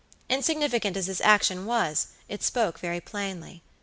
Insignificant as this action was, it spoke very plainly.